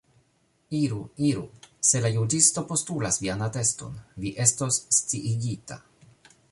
Iru, iru; se la juĝistoj postulas vian ateston, vi estos sciigita.